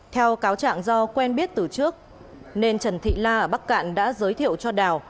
theo cáo trạng do quen biết từ trước nên trần thị la ở bắc cạn đã giới thiệu cho đào